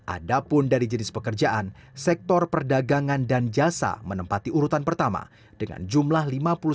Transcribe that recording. ada pun dari jenis pekerjaan sektor perdagangan dan jasa menempati urutan pertama dengan jumlah lima puluh satu enam ratus sembilan puluh lima